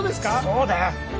そうだよ